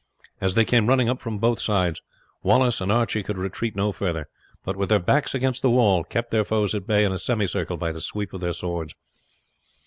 As they came running up from both sides, Wallace and Archie could retreat no further, but with their backs against the wall kept their foes at bay in a semicircle by the sweep of their swords.